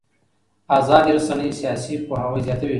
ازادې رسنۍ سیاسي پوهاوی زیاتوي